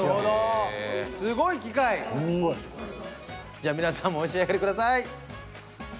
じゃあ皆さんもお召し上がりください。